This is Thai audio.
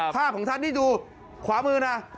ภาพของท่านนี่ดูขวามือนะ